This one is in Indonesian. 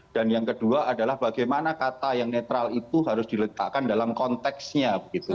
dan yang kedua adalah bagaimana kata yang netral itu harus diletakkan dalam konteksnya